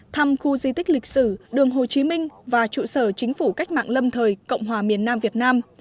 thăm khu di tích lịch sử đường hồ chí minh và trụ sở chính phủ cách mạng lâm thời cộng hòa miền nam việt nam